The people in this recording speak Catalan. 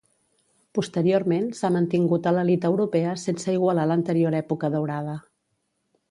Posteriorment s'ha mantingut a l'elit europea sense igualar l'anterior època daurada.